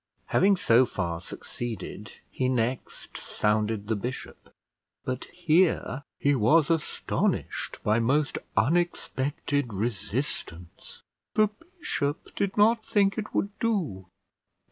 Having so far succeeded, he next sounded the bishop; but here he was astonished by most unexpected resistance. The bishop did not think it would do.